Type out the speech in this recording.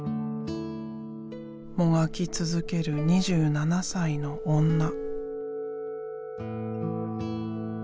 もがき続ける２７歳の女。